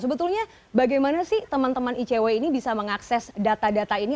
sebetulnya bagaimana sih teman teman icw ini bisa mengakses data data ini